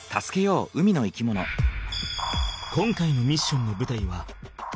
今回のミッションのぶたいは海。